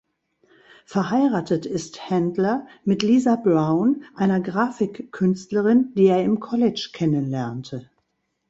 Verheiratet ist Handler mit Lisa Brown, einer Grafik-Künstlerin, die er im College kennenlernte.